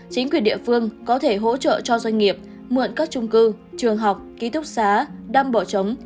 chính quyền địa phương có thể hỗ trợ cho doanh nghiệp mượn các trung cư trường học ký túc xá đang bỏ trống